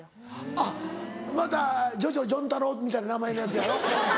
あっまたジョジョ・ジョンタロウみたいな名前のヤツやろ？